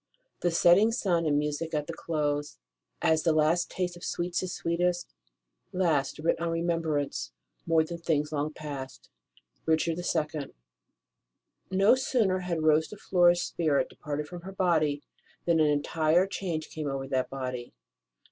The setting sun, and music at the close (As the last taste of sweets is sweetest), last, Writ in remembrance, more than things long past. Ricliard //. O sooner had Rose De Flores spirit de parted from her body than an entire change came over that body.